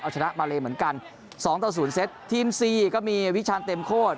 เอาชนะมาเลเหมือนกัน๒ต่อ๐เซตทีมซีก็มีวิชาญเต็มโคตร